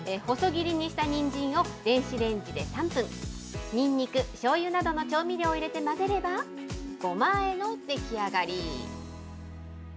細切りにしたにんじんを、電子レンジで３分、にんにく、しょうゆなどの調味料を入れて混ぜれば、ごまあえの出来上がり。